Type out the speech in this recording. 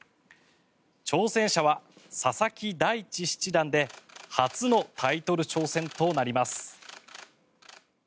挑戦者は佐々木大地七段で初のタイトル挑戦となります。